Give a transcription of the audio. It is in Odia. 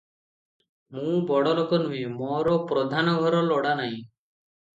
ମୁଁ ବଡ଼ଲୋକ ନୁହେଁ; ମୋର ପଧାନଘର ଲୋଡ଼ା ନାହିଁ ।